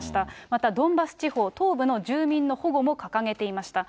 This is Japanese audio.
またドンバス地方、東部の住民の保護も掲げていました。